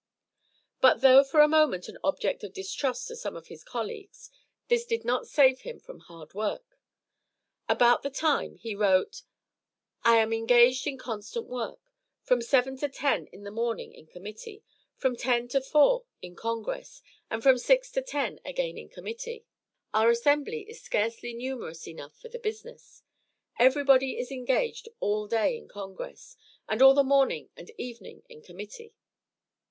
But, though for a moment an object of distrust to some of his colleagues, this did not save him from hard work. About this time he wrote: "I am engaged in constant work; from seven to ten in the morning in committee, from ten to four in Congress, and from six to ten again in committee. Our assembly is scarcely numerous enough for the business; everybody is engaged all day in Congress, and all the morning and evening in committee."